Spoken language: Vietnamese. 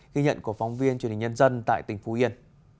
ghi nhận của phóng viên truyền hình nhân dân tại tỉnh phú yên